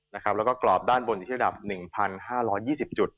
แล้วก็กรอบด้านบนอยู่ที่ระดับ๑๕๒๐จุด